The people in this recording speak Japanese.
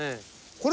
これ。